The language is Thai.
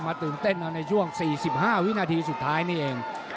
ตื่นเต้นเอาในช่วง๔๕วินาทีสุดท้ายนี่เอง